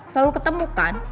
selalu ketemu kan